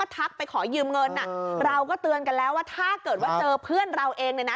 ทักไปขอยืมเงินเราก็เตือนกันแล้วว่าถ้าเกิดว่าเจอเพื่อนเราเองเนี่ยนะ